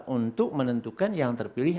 untuk menentukan yang terpilih